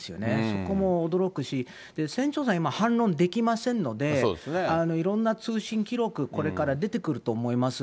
そこも驚くし、船長さん、今、反論できませんので、いろんな通信記録、これから出てくると思います。